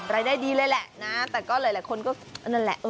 รายได้ดีเลยละฮะหลายคนก็นั่นละ